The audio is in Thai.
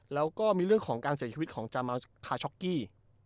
แล้วก็มีเรื่องของการเสียชีวิตของจามาสคาช็อกกี้